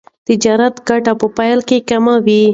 تجارتي ګټه په پیل کې کمه وي.